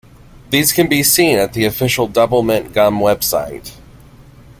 These can be seen at the official Doublemint Gum website.